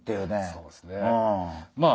そうですね。